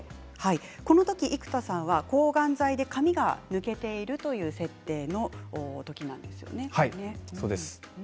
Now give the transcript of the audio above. この時、生田さんは抗がん剤で髪が抜けているという設定の時なんですよね。